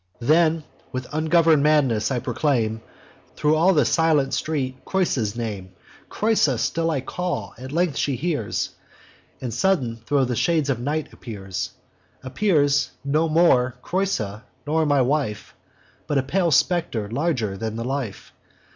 Then, with ungovern'd madness, I proclaim, Thro' all the silent street, Creusa's name: Creusa still I call; at length she hears, And sudden thro' the shades of night appears. Appears, no more Creusa, nor my wife, But a pale spectre, larger than the life.